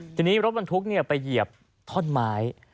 ทีนี้รถบรรทุกไปเหยียบท่อนไม้